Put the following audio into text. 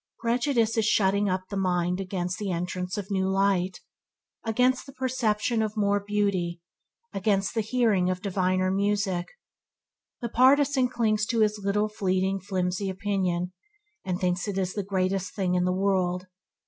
Prejudice is a shutting up of the mind against the entrance of new light, against the perception of more beauty, against the hearing of diviner music. The partisan clings to his little, fleeting, flimsy opinion, and thinks it the greatest thing in the world.